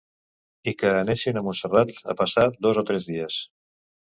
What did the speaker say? I que anessin a Montserrat a passar dos o tres dies